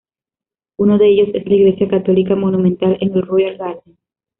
Uno de ellos es la Iglesia Católica Monumental en el Royal Garden.